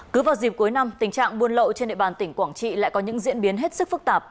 cứ vào dịp cuối năm tình trạng buôn lậu trên địa bàn tỉnh quảng trị lại có những diễn biến hết sức phức tạp